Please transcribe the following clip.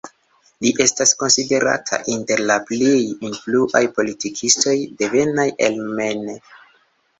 Li estas konsiderata inter la plej influaj politikistoj devenaj el Maine.